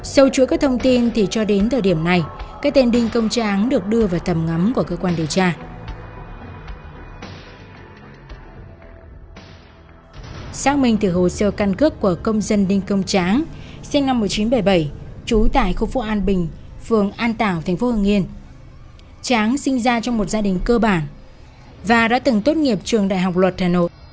sau chuỗi các thông tin thì cho đến thời điểm này cái tên đinh công tráng được đưa vào tầm ngắm của cơ quan điều tra